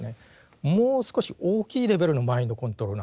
もう少し大きいレベルのマインドコントロールなんです。